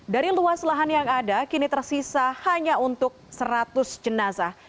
dari luas lahan yang ada kini tersisa hanya untuk seratus jenazah